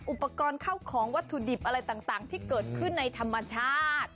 อุปกรณ์เข้าของวัตถุดิบอะไรต่างที่เกิดขึ้นในธรรมชาติ